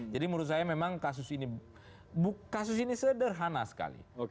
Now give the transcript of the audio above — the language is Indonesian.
jadi menurut saya memang kasus ini sederhana sekali